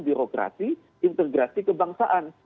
birokrasi integrasi kebangsaan